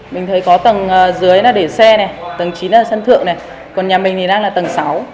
mình thấy có tầng dưới là để xe này tầng chín là sân thượng này còn nhà mình thì đang là tầng sáu